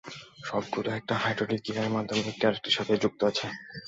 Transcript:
সবগুলো একটা হাইড্রোলিক গিয়ারের মাধ্যমে একটা আরেকটার সাথে যুক্ত আছে।